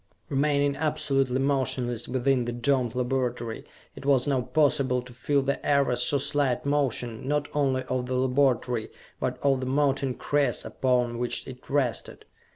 Remaining absolutely motionless within the domed laboratory, it was now possible to feel the ever so slight motion, not only of the laboratory, but of the mountain crest upon which it rested.